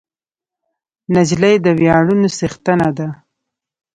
نجلۍ د ویاړونو څښتنه ده.